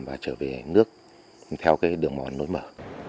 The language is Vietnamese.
và trở về nước theo cái đường mòn lối mở